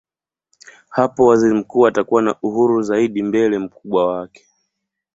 Hapo waziri mkuu atakuwa na uhuru zaidi mbele mkubwa wake.